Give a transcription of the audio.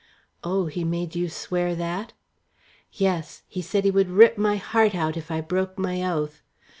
"Oh, he made you swear that?" "Yes, he said he would rip my heart out if I broke my oath.